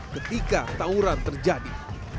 ketika tawuran terjadi